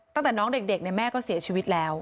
ตั้งแต่น้องเด็กแม่ก็เสียชีวิตแล้ว